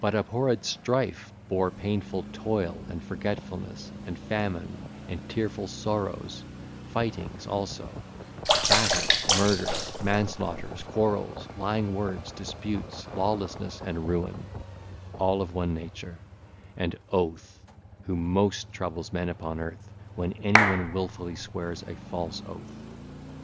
(ll. 226 232) But abhorred Strife bare painful Toil and Forgetfulness and Famine and tearful Sorrows, Fightings also, Battles, Murders, Manslaughters, Quarrels, Lying Words, Disputes, Lawlessness and Ruin, all of one nature, and Oath who most troubles men upon earth when anyone wilfully swears a false oath.